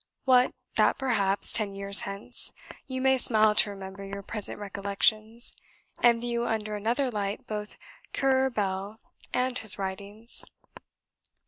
What, that perhaps, ten years hence, you may smile to remember your present recollections, and view under another light both 'Currer Bell' and his writings?